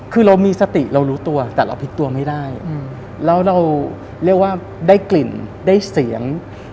คือเรามีสติเรารู้ตัวแต่เราพลิกตัวไม่ได้แล้วเราเรียกว่าได้กลิ่นได้เสียง